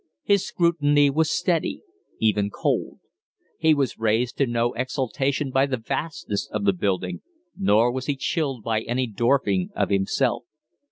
His scrutiny was steady even cold. He was raised to no exaltation by the vastness of the building, nor was he chilled by any dwarfing of himself.